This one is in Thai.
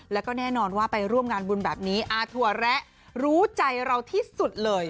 แล้วก็แน่นอนว่าไปร่วมงานบุญแบบนี้อาถั่วแระรู้ใจเราที่สุดเลย